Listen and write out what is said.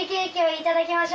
いただきます！